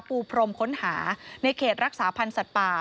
ปูพรมค้นหาในเขตรักษาพันธ์สัตว์ป่า